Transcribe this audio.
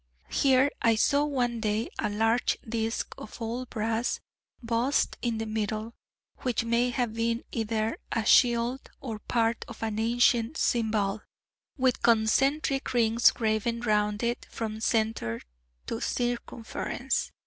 Here I saw one day a large disc of old brass, bossed in the middle, which may have been either a shield or part of an ancient cymbal, with concentric rings graven round it, from centre to circumference.